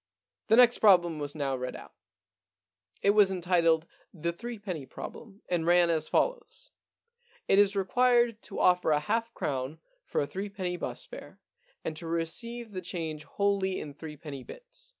* The next problem was now read out. It 182 The Alibi Problem was entitled * The Threepenny Problem,' and ran as follows :* It is required to offer a half crown for a threepenny bus fare, and to receive the change wholly in threepenny bits.